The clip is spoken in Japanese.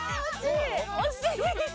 ・惜しい！